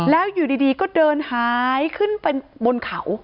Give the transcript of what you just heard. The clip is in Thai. แล้วอยู่ดีก็เดินหายขึ้นไปบนเขา